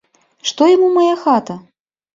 Што яму мая хата?